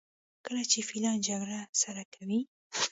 کله چې فیلان جګړه سره کوي.